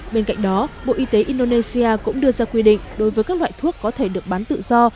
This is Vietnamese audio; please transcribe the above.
bên cạnh đó bộ y tế indonesia cũng đưa ra quy định đối với các loại thuốc có thể được bán tự do